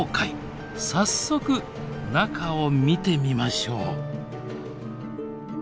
早速中を見てみましょう。